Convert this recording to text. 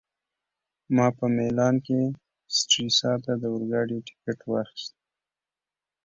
ما په میلان کي سټریسا ته د اورګاډي ټکټ واخیست.